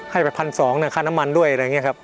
ให้ไปพันสองนะครับคาน้ำมันด้วยอะไรอย่างนี้ครับ